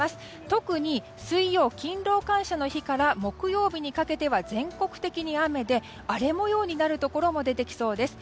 特に水曜、勤労感謝の日から木曜日にかけては全国的に雨で荒れ模様になるところも出てきそうです。